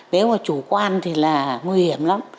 nếu mà chủ quan thì là nguy hiểm